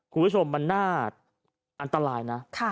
คุณผู้ชมมันน่าอันตรายนะ